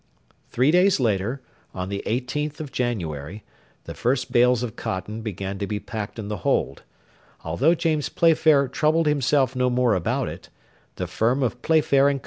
Three days later, on the 18th of January, the first bales of cotton began to be packed in the hold: although James Playfair troubled himself no more about it, the firm of Playfair and Co.